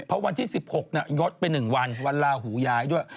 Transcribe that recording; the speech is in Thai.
เพราะวันที่๑๖ยดไป๑วันวันลาหูย้ายด้วย